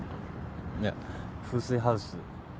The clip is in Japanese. いや風水ハウス。